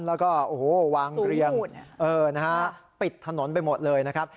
แล้วก็โอ้โหวางเรียงปิดถนนไปหมดเลยนะครับ